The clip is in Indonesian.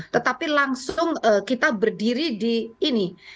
tetapi langsung kita berdiri di ini